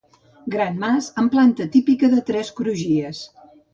Gran mas amb planta típica de tres crugies.